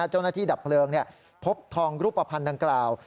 เจ้าหน้าที่ดับเพลิงเนี่ยพบทองรูปภัณฑ์ดังกล่าว